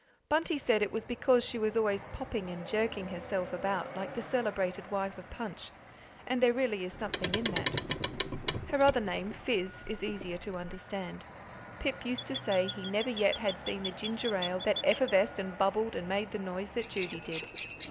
Bunty said it was because she was always popping and jerking herself about like the celebrated wife of Punch, and there really is something in that. Her other name, "Fizz," is easier to understand; Pip used to say he never yet had seen the ginger ale that effervesced and bubbled and made the noise that Judy did.